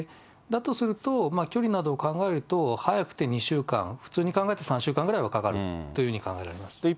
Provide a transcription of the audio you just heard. だとすると、距離などを考えると、早くて２週間、普通に考えて３週間ぐらいはかかるというふうに考えられます。